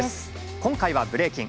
今回はブレイキン。